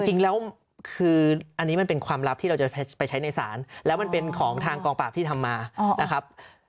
จริงแล้วคืออันนี้มันเป็นความลับที่เราจะไปใช้ในศาลแล้วมันเป็นของทางกองปราบที่ทำมานะครับ